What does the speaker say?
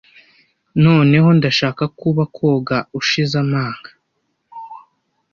Noneho ndashaka ko uba koga ushize amanga,